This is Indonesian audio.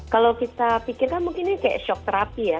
kalau kita pikirkan mungkin ini kayak shock therapy ya